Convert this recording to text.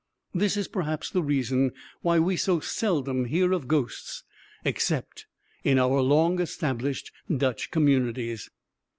This is perhaps the reason why we so seldom hear of ghosts except in our long established Dutch communities.